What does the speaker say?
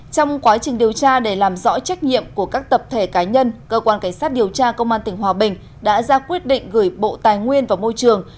trong quá trình điều tra để làm rõ trách nhiệm của các tập thể cá nhân cơ quan cảnh sát điều tra công an tỉnh hòa bình đã ra quyết định gửi bộ tài nguyên và môi trường